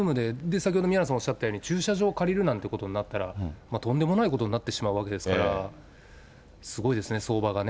先ほど宮根さんおっしゃったように、駐車場借りるなんてなったら、とんでもないことになってしまうわけですから、すごいですね、相場がね。